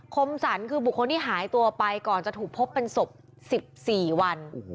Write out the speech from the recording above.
คมสรรคือบุคคลที่หายตัวไปก่อนจะถูกพบเป็นศพ๑๔วัน